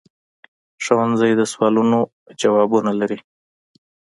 ښوونځی د سوالونو ځوابونه لري